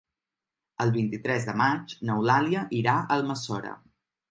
El vint-i-tres de maig n'Eulàlia irà a Almassora.